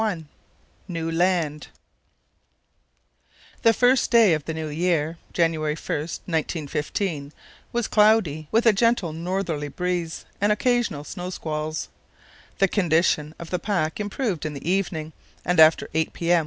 CHAPTER II NEW LAND The first day of the New Year (January 1, 1915) was cloudy, with a gentle northerly breeze and occasional snow squalls. The condition of the pack improved in the evening, and after 8 p.m.